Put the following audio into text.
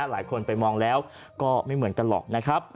หลายคนไปมองแล้วก็ไม่เหมือนกันหรอกนะครับ